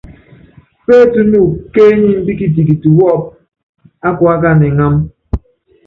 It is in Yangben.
Pétúnuku kéenyimbí kitikiti wɔ́ɔ́pú ákuákána iŋámb.